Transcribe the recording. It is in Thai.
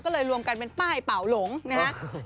ก็เลยรวมกันเป็นป้ายเป่าหลงนะครับ